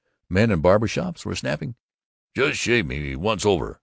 Men in barber shops were snapping, "Jus' shave me once over.